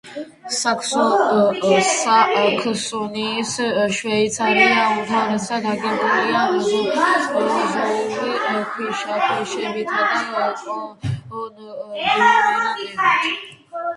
საქსონიის შვეიცარია უმთავრესად აგებულია მეზოზოური ქვიშაქვებითა და კონგლომერატებით.